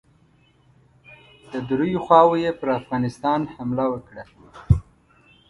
د دریو خواوو یې پر افغانستان حمله وکړه.